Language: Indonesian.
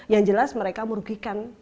yang jelas mereka merugikan